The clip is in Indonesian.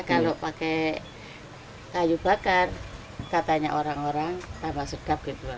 kalau pakai kayu bakar katanya orang orang tambah sedap gitu